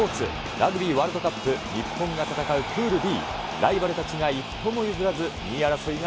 ラグビーワールドカップ、日本が戦うプールＤ。